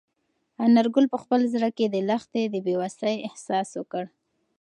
انارګل په خپل زړه کې د لښتې د بې وسۍ احساس وکړ.